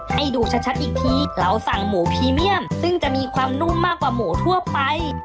ให้ดูชัดอีกทีเราสั่งหมูพรีเมียมซึ่งจะมีความนุ่มมากกว่าหมูทั่วไป